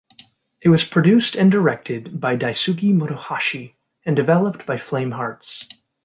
It was produced and directed by Daisuke Motohashi and developed by Flame Hearts.